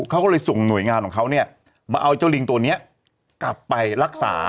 เขาก็เลยส่งหน่วยงานของเขาเนี่ยมาเอาเจ้าลิงตัวนี้กลับไปรักษา